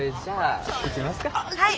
はい。